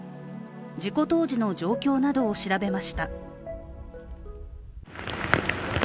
事故当時の状況などを調べました。